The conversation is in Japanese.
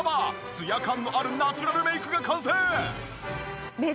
つや感のあるナチュラルメイクが完成！